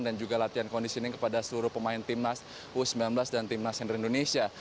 dan juga latihan kondisi ini kepada seluruh pemain timnas u sembilan belas dan timnas senior indonesia